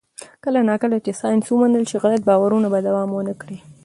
کله نا کله چې ساینس ومنل شي، غلط باورونه به دوام ونه کړي.